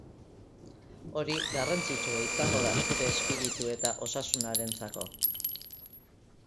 Hori garrantzitsua izango da zure espiritu eta osasunarentzako.